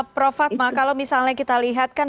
prof fatma kalau misalnya kita lihatkan